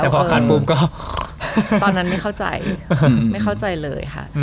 แต่พอขาดปุ๊บก็ตอนนั้นไม่เข้าใจไม่เข้าใจเลยค่ะ